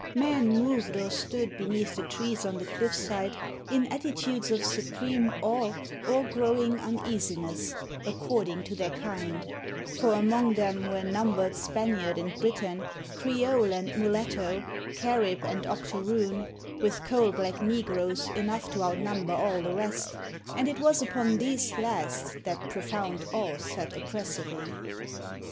Men moved or stood beneath the trees on the cliffside in attitudes of supreme awe or growing uneasiness, according to their kind: for among them were numbered Spaniard and Briton, creole and mulatto, Carib and octoroon, with coal black negroes enough to outnumber all the rest and it was upon these last that profound awe sat oppressively.